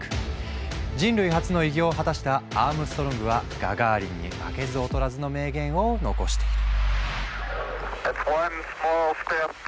人類初の偉業を果たしたアームストロングはガガーリンに負けず劣らずの名言を残している。